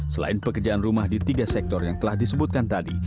selain pekerjaan rumah di tiga sektor yang telah disebutkan tadi